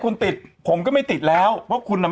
หนุ่มกัญชัยโทรมา